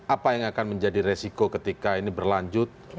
apa yang akan menjadi resiko ketika ini berlanjut